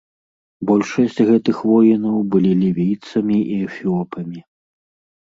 Большасць гэтых воінаў былі лівійцамі і эфіопамі.